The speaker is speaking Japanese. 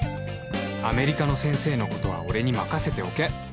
「アメリカの先生のことは俺にまかせておけ。